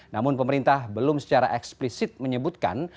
namun pemerintah belum secara eksplisit menyebutkan